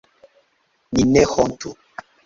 Ni ne hontu!